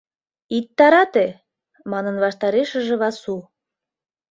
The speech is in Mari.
— Ит тарате, — манын ваштарешыже Васу.